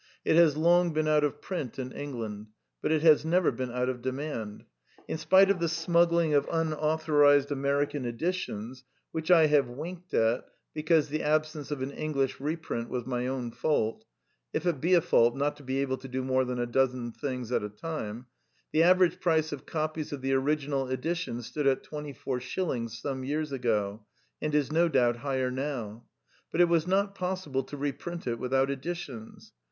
It has long been out of print in England; but it has never been out of demand. In spite of the smuggling of unauthorized American editions, which I have winked at because the absence of an English re print was my own fault (if it be a fault not to be able to do more than a dozen things at a time), the average price of copies of the original edition stood at twenty four shillings some years ago, and is no doubt higher now. But it was not possible to reprint it without additions.